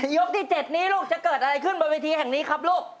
ยกที่๗นี้ลูกจะเกิดอะไรขึ้นบนเวทีแห่งนี้ครับลูก